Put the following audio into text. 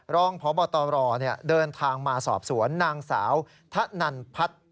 รองพบตรเดินทางมาสอบสวนนางสาวทะนันพัฒน์